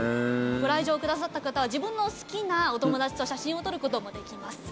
ご来場くださった方は自分の好きなお友達と写真を撮ることもできます。